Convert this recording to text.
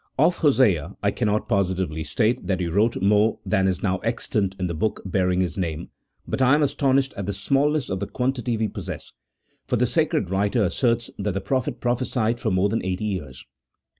1 Of Ho sea I cannot positively state that he wrote more than is now extant in the book bearing his name, but I am 1 See Note 20. CHAP. X.] OF THE PROPHETIC BOOKS. 149 astonished at the smallness of the quantity we possess, for the sacred writer asserts that the prophet prophesied for more than eighty years.